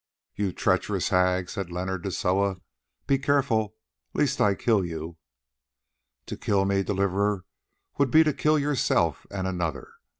"You treacherous hag!" said Leonard to Soa, "be careful lest I kill you." "To kill me, Deliverer, would be to kill yourself and another.